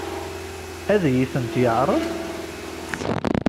Ad iyi-tent-yeɛṛeḍ?